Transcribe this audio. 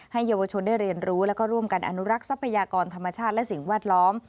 เยาวชนได้เรียนรู้แล้วก็ร่วมกันอนุรักษ์ทรัพยากรธรรมชาติและสิ่งแวดล้อม